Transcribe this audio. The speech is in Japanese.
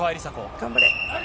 頑張れ。